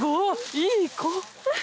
いい子。